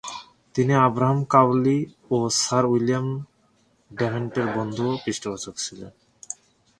তিনি Abraham Cowley ও sir William ডাভেন্যান্টের বন্ধু ও পৃষ্ঠপোষক ছিলেন।